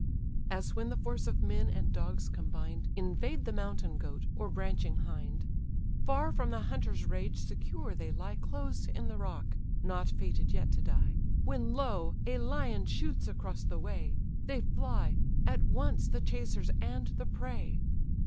As when the force of men and dogs combined Invade the mountain goat, or branching hind; Far from the hunter's rage secure they lie Close in the rock, (not fated yet to die) When lo! a lion shoots across the way! They fly: at once the chasers and the prey.